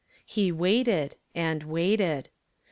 He waited and waited.